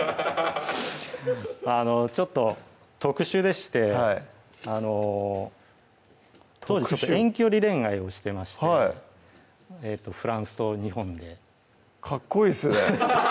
あのちょっと特殊でしてはいあの当時ちょっと遠距離恋愛をしてましてフランスと日本でかっこいいですね